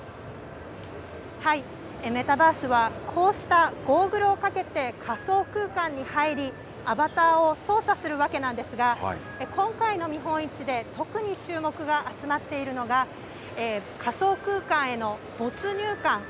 メタバースは、こうしたゴーグルをかけて、仮想空間に入り、アバターを操作するわけなんですが、今回の見本市で、特に注目が集まっているのが、仮想空間への没入感。